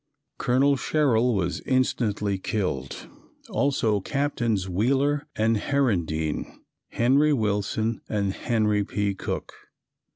Colonel Sherrill was instantly killed, also Captains Wheeler and Herendeen, Henry Willson and Henry P. Cook.